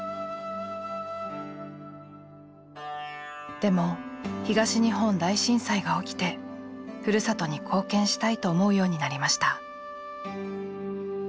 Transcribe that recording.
でも東日本大震災が起きてふるさとに貢献したいと思うようになりました。